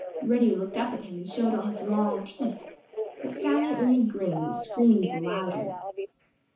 Reddy looked up at him and showed all his long teeth, but Sammy only grinned and screamed the louder.